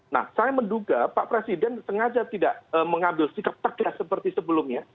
nah saya menduga pak presiden sengaja tidak mengambil sikap tegas seperti sebelumnya